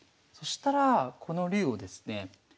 そしたらこの竜をですね